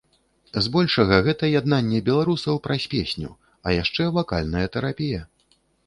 Збольшага гэта яднанне беларусаў праз песню, а яшчэ вакальная тэрапія.